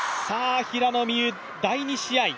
平野美宇、第２試合